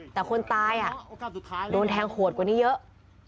แต่คนตายโดนแทงโหดกว่านี้เยอะ